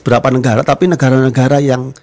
berapa negara tapi negara negara yang